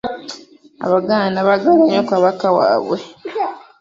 Abaganda baagala nnyo Kabaka waabwe.